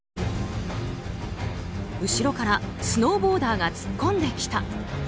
後ろからスノーボーダーが突っ込んできた。